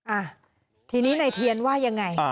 อ่ะทีนี้ในเทียนว่ายังไง